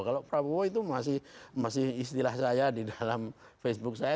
kalau prabowo itu masih istilah saya di dalam facebook saya